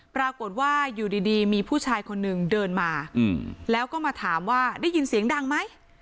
ปรากฏว่าอยู่ดีมีผู้ชายคนหนึ่งเดินมาแล้วก็มาถามว่าได้ยินเสียงดังไหม